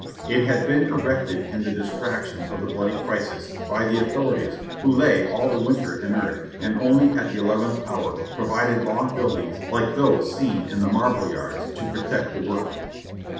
It had been erected in the distraction of the bloody crisis, by the authorities, who lay all the winter inert, and only at the eleventh hour provided long buildings like those seen in the marble yards to protect the workmen.